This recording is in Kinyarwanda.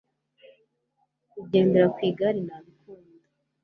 kugendera kwi gare nabikunda